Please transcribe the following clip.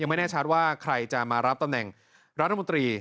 ไม่แน่ชัดว่าใครจะมารับตำแหน่งรัฐมนตรี